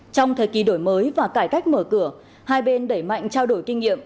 trong thời kỳ đổi mới và cải cách mở cửa hai bên đẩy mạnh trao đổi kinh nghiệm